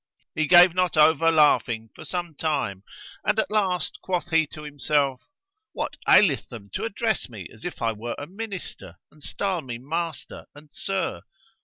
He gave not over laughing for some time and at last quoth he to himself, "What aileth them to address me as if I were a Minister and style me Master, and Sir?